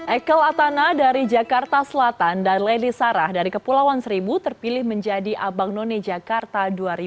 ekel atana dari jakarta selatan dan lady sarah dari kepulauan seribu terpilih menjadi abang none jakarta dua ribu dua puluh